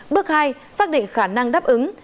bước hai xác định khả năng đáp ứng